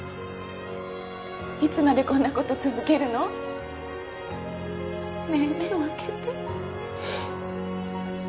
いつまでこんなこと続けるの？ねえ目を開けて。